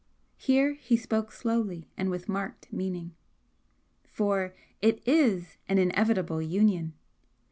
Here he spoke slowly and with marked meaning "For it IS an inevitable union!